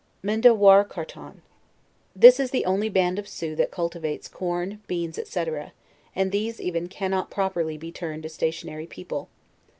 MINDAWARCARTON. This is the only band of Sioux that cultivates corn, beans, &c.; and these even cannot properly be termed a stationary people.